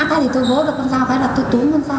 thế tôi vô được con dao phải là tôi túng con dao